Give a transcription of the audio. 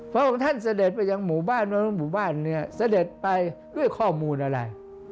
พระองค์ท่านเสด็จไปยังหมู่บ้านหมู่บ้านเนี่ยเสด็จไปด้วยข้อมูลอะไร